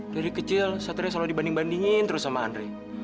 dari kecil satria selalu dibanding bandingin terus sama andri